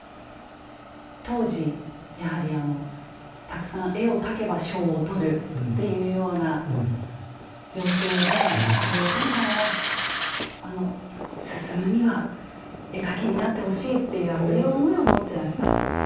当時やはりあのたくさん絵を描けば賞を取るっていうような状況でやっぱりお母様はあの「晋には絵描きになってほしい」っていう熱い思いを持ってらした。